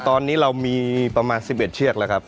ตอนนี้เรามีประมาณ๑๑เชือกแล้วครับ